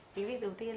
cái việc đầu tiên